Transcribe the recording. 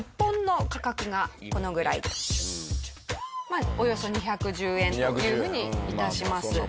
まあおよそ２１０円というふうに致します。